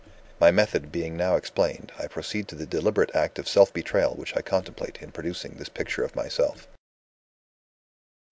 "My method being now explained, I proceed to the deliberate act of self betrayal which I contemplate in producing this picture of myself."